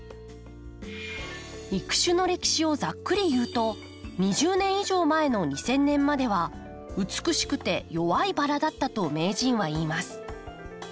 育種の歴史をざっくり言うと２０年以上前の２０００年までは美しくて弱いバラだったと名人は言います。